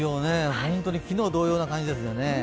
本当に昨日同様な感じですよね。